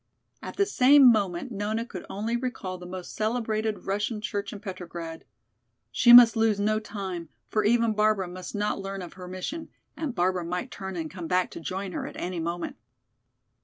At the same moment Nona could only recall the most celebrated Russian church in Petrograd. She must lose no time, for even Barbara must not learn of her mission, and Barbara might turn and come back to join her at any moment.